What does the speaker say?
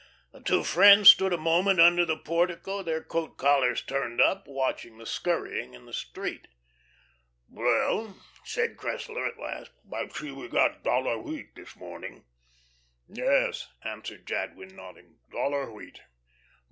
'" The two friends stood a moment under the portico, their coat collars turned up, watching the scurrying in the street. "Well," said Cressler, at last, "I see we got 'dollar wheat' this morning." "Yes," answered Jadwin, nodding, "'dollar wheat.'"